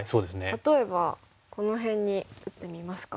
例えばこの辺に打ってみますか？